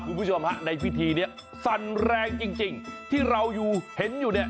คุณผู้ชมฮะในพิธีนี้สั่นแรงจริงที่เราอยู่เห็นอยู่เนี่ย